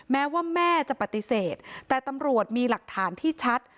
แม้ว่าแม่จะปฏิเสธแต่ตำรวจมีหลักฐานที่ชัด